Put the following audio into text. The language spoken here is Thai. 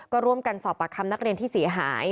ก็ร่วมกันสอบปากคำนักเรียนที่เสียหาย